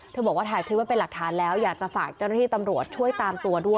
บอกว่าถ่ายคลิปไว้เป็นหลักฐานแล้วอยากจะฝากเจ้าหน้าที่ตำรวจช่วยตามตัวด้วย